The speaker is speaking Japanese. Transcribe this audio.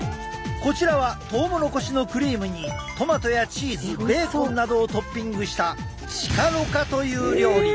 こちらはトウモロコシのクリームにトマトやチーズベーコンなどをトッピングしたチカロカという料理。